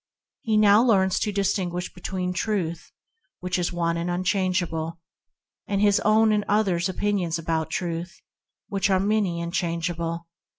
He learns to distin guish between Truth, one and unchange able, and his own and others' opinions about Truth, which are many and change able.